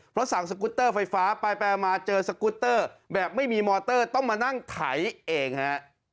เพราะสั่งสกุตเตอร์ไฟฟ้าไปมาเจอสกุตเตอร์แบบไม่มีมอเตอร์ต้องมานั่งไถเองฮะ